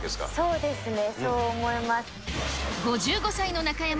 そうですね。